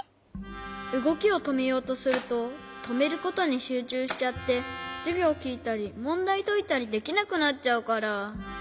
うごきをとめようとするととめることにしゅうちゅうしちゃってじゅぎょうきいたりもんだいといたりできなくなっちゃうから。